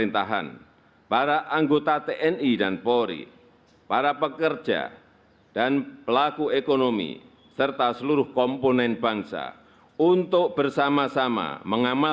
tanda kebesaran buka hormat senjata